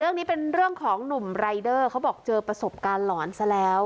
เรื่องนี้เป็นเรื่องของหนุ่มรายเดอร์เขาบอกเจอประสบการณ์หลอนซะแล้ว